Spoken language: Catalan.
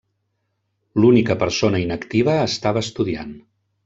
L'única persona inactiva estava estudiant.